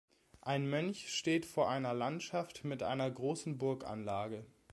Ein Mönch steht vor einer Landschaft mit einer großen Burganlage.